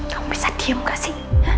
kamu bisa diem gak sih